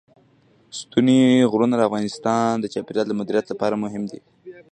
ستوني غرونه د افغانستان د چاپیریال د مدیریت لپاره مهم دي.